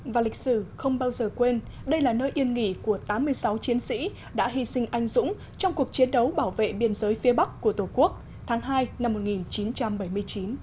và lịch sử không bao giờ quên đây là nơi yên nghỉ của tám mươi sáu chiến sĩ đã hy sinh anh dũng trong cuộc chiến đấu bảo vệ biên giới phía bắc của tổ quốc tháng hai năm một nghìn chín trăm bảy mươi chín